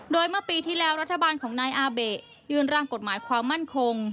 โดยเมื่อปีที่แล้วรัฐบาลของนายอาเบะยื่นร่างกฎหมายความมั่นคง